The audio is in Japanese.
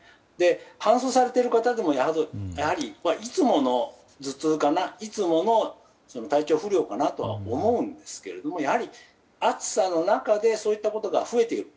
搬送されている方でもやはり、いつもの頭痛かないつもの体調不良かなと思うんですけどやはり暑さの中でそういったことが増えている。